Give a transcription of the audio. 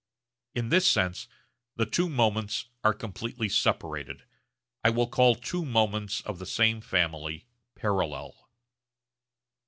In this sense the two moments are completely separated. I will call two moments of the same family 'parallel.'